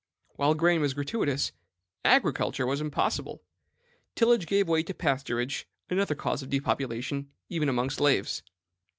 "While grain was gratuitous, agriculture was impossible. Tillage gave way to pasturage, another cause of depopulation, even among slaves.